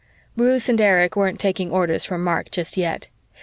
Bruce and Erich weren't taking orders from Mark just yet.